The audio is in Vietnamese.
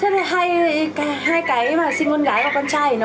bơi nhanh hay con y bơi nhanh